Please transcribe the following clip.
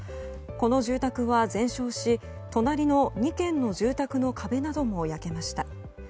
この住宅は全焼し隣の２軒の住宅の壁なども焼けました。